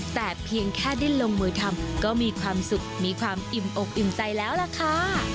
แต่เพียงแค่ได้ลงมือทำก็มีความสุขมีความอิ่มอกอิ่มใจแล้วล่ะค่ะ